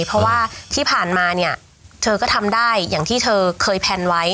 เพราะว่าที่ผ่านมาเนี่ยเธอก็ทำได้อย่างที่เธอเคยแพลนไว้